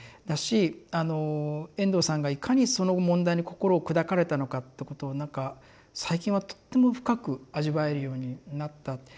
だし遠藤さんがいかにその問題に心を砕かれたのかってことをなんか最近はとっても深く味わえるようになった。